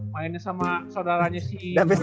mainnya sama saudaranya si brook lopez